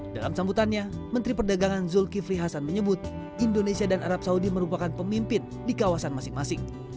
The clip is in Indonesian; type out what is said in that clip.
dalam sambutannya menteri perdagangan zulkifli hasan menyebut indonesia dan arab saudi merupakan pemimpin di kawasan masing masing